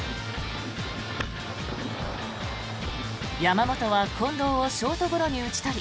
山本は近藤をショートゴロに打ち取り